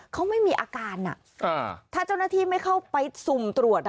เขาไม่มีอาการถ้าเจ้าหน้าที่ไม่เข้าไปสุ่มตรวจ